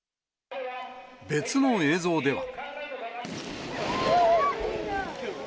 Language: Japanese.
別の映像では。